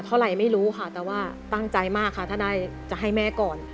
ไม่รู้ค่ะแต่ว่าตั้งใจมากค่ะถ้าได้จะให้แม่ก่อน